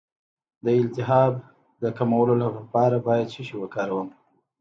د التهاب د کمولو لپاره باید څه شی وکاروم؟